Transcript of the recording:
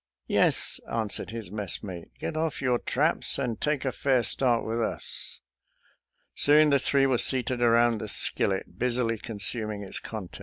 Yes," answered his messmate ;" get off your traps, and take a fair start with us." Soon the three were seated around the skillet, busily consuming its contents.